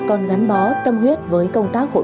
còn gắn bó tâm huyết với công tác hội